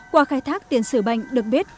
qua khai thác tiền xử bệnh được biết